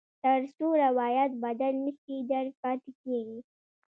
تر څو روایت بدل نه شي، درد پاتې کېږي.